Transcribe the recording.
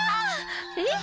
えっ？